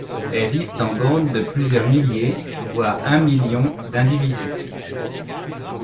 Elles vivent en bandes de plusieurs milliers -voire un million- d'individus.